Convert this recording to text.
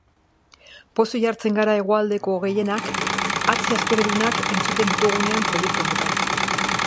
Pozik jartzen gara Hegoaldeko gehienak hatxea hasperendunak entzuten ditugunean proiektu honetan.